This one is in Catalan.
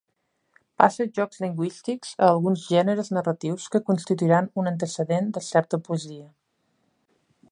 Passe jocs lingüístics a alguns gèneres narratius que constituiran un antecedent de certa poesia.